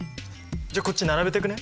じゃあこっちに並べていくね。